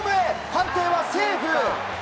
判定はセーフ。